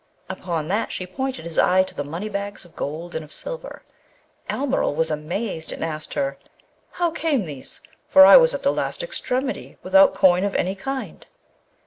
Upon that she pointed his eye to the money bags of gold and of silver. Almeryl was amazed, and asked her, 'How came these? for I was at the last extremity, without coin of any kind.'